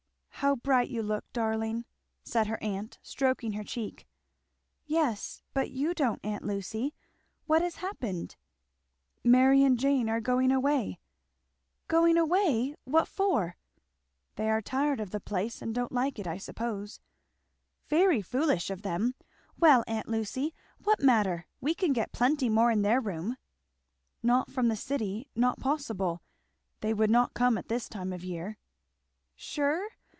"How bright you look, darling!" said her aunt, stroking her cheek. "Yes, but you don't, aunt Lucy. What has happened?" "Mary and Jane are going away." "Going away! What for?" "They are tired of the place don't like it, I suppose." "Very foolish of them! Well, aunt Lucy, what matter? we can get plenty more in their room." "Not from the city not possible; they would not come at this time of year." "Sure?